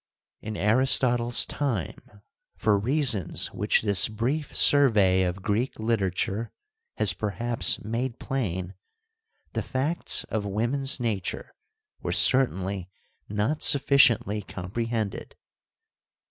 In Aristotle's time, for reasons which this brief survey of Greek literature has, perhaps, made plain, the facts of women's nature were certainly not sufficiently comprehended.